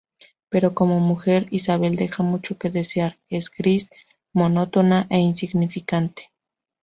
Pero como mujer, Isabel deja mucho que desear, es gris, monótona e insignificante.